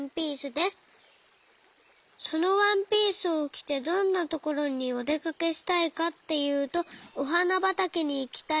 そのワンピースをきてどんなところにおでかけしたいかっていうとおはなばたけにいきたいです。